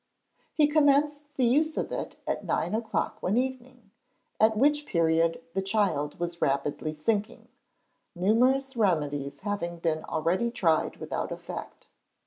He commenced the use of it at nine o'clock one evening, at which period the child was rapidly sinking, numerous remedies having been already tried without effect.